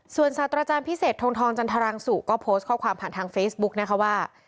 ส่วนศาสตราจารย์พิเศษทงทองจันทรังสุก็โพสต์ข้อความผ่านทางเฟซบุ๊กนะคะว่า